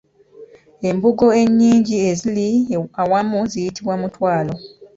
Embugo ennyingi eziri awamu ziyitibwa Mutwalo.